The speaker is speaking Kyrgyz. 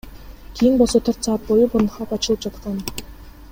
Кийин болсо төрт саат бою Порнхаб ачылып жаткан.